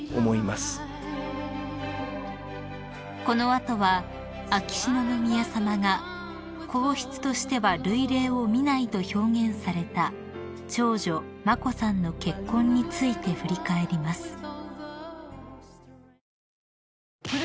［この後は秋篠宮さまが「皇室としては類例を見ない」と表現された長女眞子さんの結婚について振り返ります］